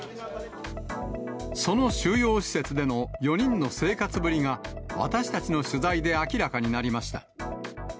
その収容施設での４人の生活ぶりが、私たちの取材で明らかになりました。